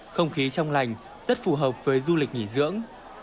không khí trong lành rất phù hợp với du lịch nghỉ dưỡng